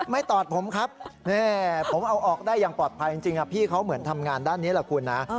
ตอดผมครับผมเอาออกได้อย่างปลอดภัยจริงพี่เขาเหมือนทำงานด้านนี้แหละคุณนะ